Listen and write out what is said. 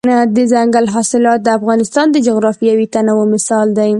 دځنګل حاصلات د افغانستان د جغرافیوي تنوع مثال دی.